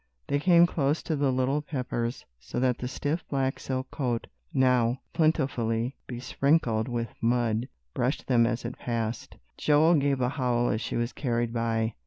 They came close to the little Peppers, so that the stiff black silk coat, now plentifully besprinkled with mud, brushed them as it passed. Joel gave a howl as she was carried by.